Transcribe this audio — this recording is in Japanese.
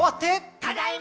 ただいま！